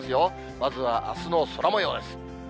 まずはあすの空もようです。